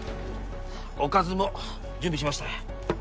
おかずも準備しました。